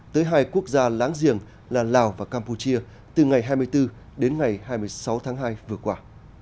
tới hai quốc gia láng giềng là lào và campuchia từ ngày hai mươi bốn đến ngày hai mươi sáu tháng hai vừa qua